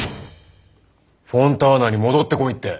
フォンターナに戻ってこいって。